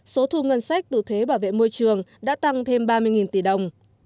số thu ngân sách từ thuế bảo vệ môi trường đã tăng thêm ba mươi tỷ đồng